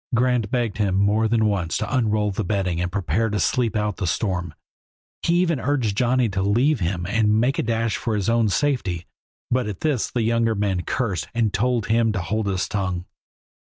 Grant begged him more than once to unroll the bedding and prepare to sleep out the storm; he even urged Johnny to leave him and make a dash for his own safety, but at this the younger man cursed and told him to hold his tongue.